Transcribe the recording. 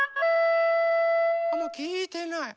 あもうきいてない。